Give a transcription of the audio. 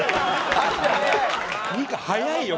ニカ早いよ！